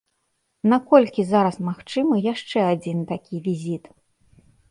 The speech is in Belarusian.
Наколькі зараз магчымы яшчэ адзін такі візіт?